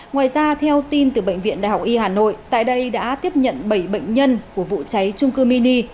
ngoài ra theo tin từ bệnh viện đại học y hà nội tại đây đã tiếp nhận bảy bệnh nhân của vụ cháy trung cư mini